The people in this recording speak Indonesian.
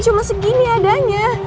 cuma segini adanya